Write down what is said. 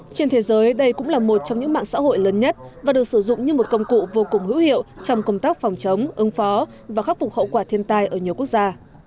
trên thế giới đây cũng là một trong những mạng xã hội lớn nhất và được sử dụng như một công cụ vô cùng hữu hiệu trong công tác phòng chống ứng phó và khắc phục hậu quả thiên tai ở nhiều quốc gia